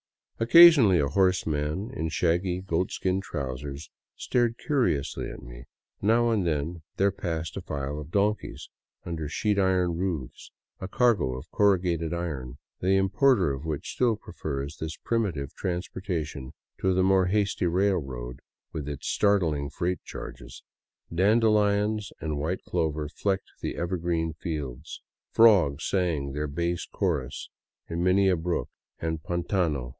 Occasionally a horseman in shaggy goatskin trousers stared curiously at me ; now and then there passed a file of donkeys under sheet iron roofs, — a cargo of corrugated iron, the importer of which still prefers this primitive transportation to the more hasty railroad with its startling freight charges. Dandelions and white clover flecked the ever green fields ; frogs sang their bass chorus in many a brook and pdntano.